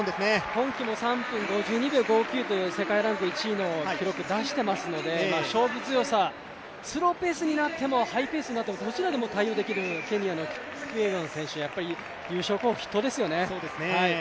今季も３分５２秒５９という記録を出していますので、スローペースになってもハイペースになってもどちらでも対応できるキプイエゴン選手優勝候補筆頭ですよね。